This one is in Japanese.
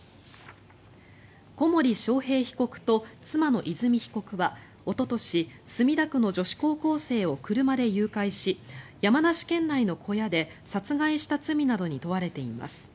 小森章平被告と妻の和美被告はおととし墨田区の女子高校生を車で誘拐し山梨県内の小屋で殺害した罪などに問われています。